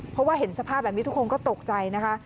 เพราะว่าเห็นสภาพแบบนี้ทุกคนก็ตกใจนะคะ